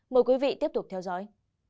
mời quý vị tiếp tục theo dõi